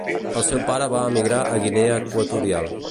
El seu pare va emigrar a Guinea Equatorial.